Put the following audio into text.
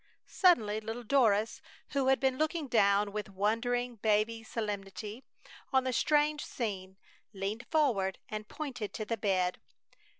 Suddenly little Doris, who had been looking down, with wondering baby solemnity on the strange scene, leaned forward and pointed to the bed.